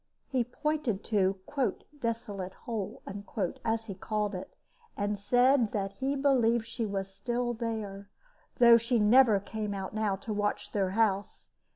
He pointed to "Desolate Hole," as he called it, and said that he believed she was there still, though she never came out now to watch their house.